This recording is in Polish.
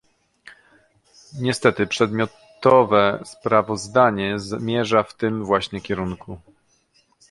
Niestety przedmiotowe sprawozdanie zmierza w tym właśnie kierunku